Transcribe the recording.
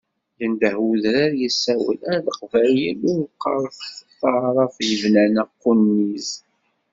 Yendeh udrar yessawel, a Leqbayel ur qqaret, taɛrabt yebnan aqunniz.